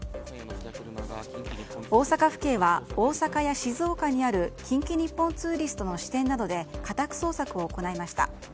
大阪府警は大阪や静岡にある近畿日本ツーリストの支店などで家宅捜索を行いました。